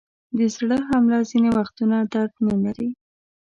د زړه حمله ځینې وختونه درد نلري.